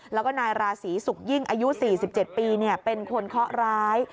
แล้วก็นายราศีสุกยิ่งอายุ๔๗ปีเป็นคนเคาะร้าย